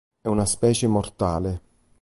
È una specie mortale.